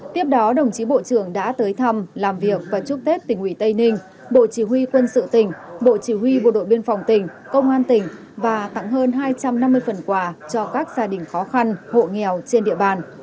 tiếp đó đồng chí bộ trưởng đã tới thăm làm việc và chúc tết tỉnh ủy tây ninh bộ chỉ huy quân sự tỉnh bộ chỉ huy bộ đội biên phòng tỉnh công an tỉnh và tặng hơn hai trăm năm mươi phần quà cho các gia đình khó khăn hộ nghèo trên địa bàn